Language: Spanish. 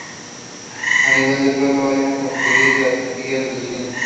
A nivel del suelo hay una cafetería y las taquillas del cine.